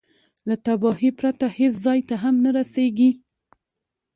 له تباهي پرته هېڅ ځای ته هم نه رسېږي.